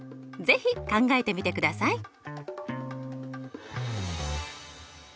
是非考えてみてください。